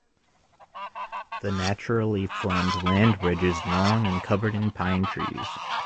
The naturally formed land bridge is long and covered in pine trees.